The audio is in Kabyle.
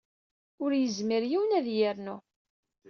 Ur yezmir yiwen ad iyi-yernu.